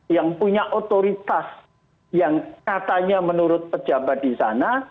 yang punya otoritas yang katanya menurut pejabat di sana